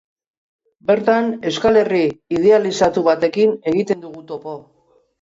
Bertan Euskal Herri idealizatu batekin egiten dugu topo.